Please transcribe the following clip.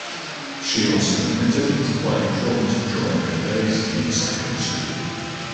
She also admitted to playing drums during her days in secondary school.